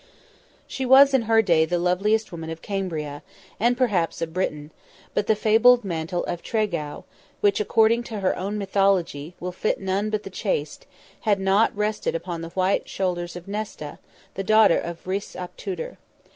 She was, in her day, the loveliest woman of Cambria, and perhaps of Britain, but the fabled mantle of Tregau, which, according to her own mythology, will fit none but the chaste, had not rested on the white shoulders of Nesta, the daughter of Rhys ap Tudor.